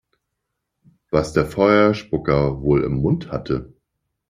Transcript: Was der Feuerspucker wohl im Mund hatte?